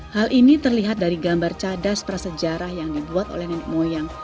hal ini terlihat dari gambar cadas prasejarah yang dibuat oleh nenek moyang